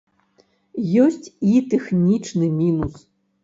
Ёсць і тэхнічны мінус.